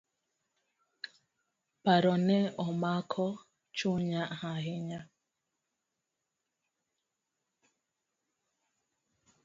Paro ne omako chunya ahinya.